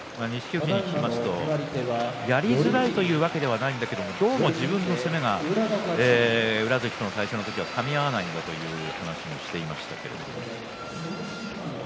富士に聞きますとやりづらいというわけではないんだけどどうも自分の攻めが宇良関との対戦時はかみ合わないんだという話をしていました。